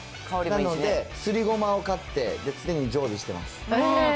なのですりごまを買って、常に常備してます。